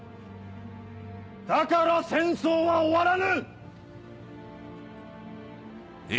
だから戦争は終わらぬ！